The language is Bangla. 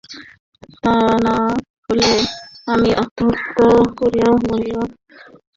তা না হইলে আমি আত্মহত্যা করিয়া মরিতাম, তোমার সঙ্গে বাহির হইতাম না।